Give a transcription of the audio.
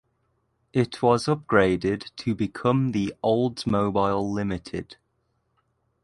It was upgraded to become the Oldsmobile Limited.